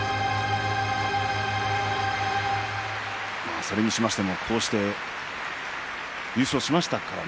それにしましてもこうして優勝しましたからね